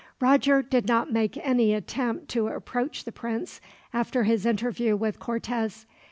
Roger did not make any attempt to approach the prince, after his interview with Cortez.